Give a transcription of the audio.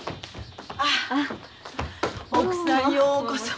あ奥さんようこそ。